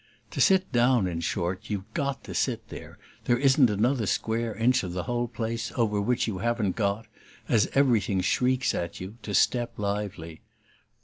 To sit down, in short, you've GOT to sit there; there isn't another square inch of the whole place over which you haven't got, as everything shrieks at you, to step lively.